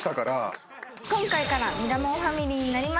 今回からミラモンファミリーになりました。